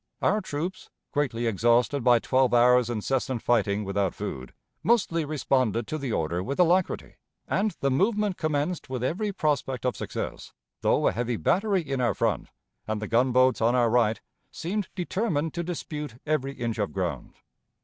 ... Our troops, greatly exhausted by twelve hours' incessant fighting without food, mostly responded to the order with alacrity, and the movement commenced with every prospect of success, though a heavy battery in our front and the gunboats on our right seemed determined to dispute every inch of ground.